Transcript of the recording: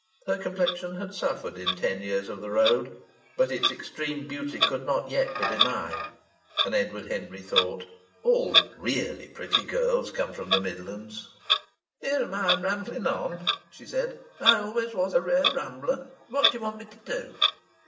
Her complexion had suffered in ten years of the road, but its extreme beauty could not yet be denied. And Edward Henry thought: "All the really pretty girls come from the Midlands!" "Here I am rambling on," she said. "I always was a rare rambler. What do you want me to do?"